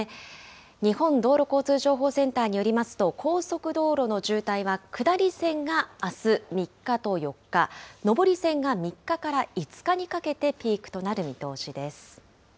日本道路交通情報センターによりますと、高速道路の渋滞は下り線があす３日と４日、上り線が３日から５日にかけてピークとなる見通しです。